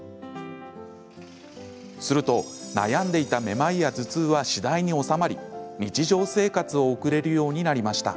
すると、悩んでいためまいや頭痛は次第に治まり日常生活を送れるようになりました。